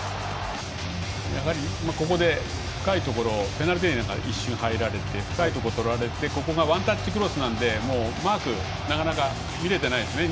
ここで深いところペナルティーエリアに一瞬入られて深いところに入られてワンタッチクロスなのでマークがなかなか見れてないですね。